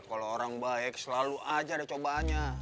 kalau orang baik selalu aja ada cobaannya